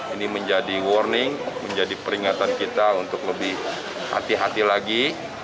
ini menjadi warning menjadi peringatan kita untuk lebih hati hati lagi